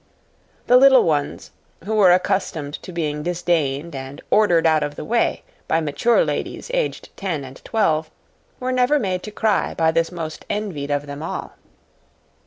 The little ones, who were accustomed to being disdained and ordered out of the way by mature ladies aged ten and twelve, were never made to cry by this most envied of them all.